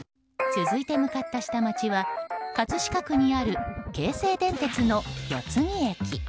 続いて向かった下町は葛飾区にある京成電鉄の四ツ木駅。